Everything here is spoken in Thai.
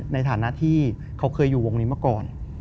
ในฐานะที่เขาเคยอยู่วงนี้มาก่อน